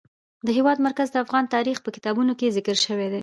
د هېواد مرکز د افغان تاریخ په کتابونو کې ذکر شوی دي.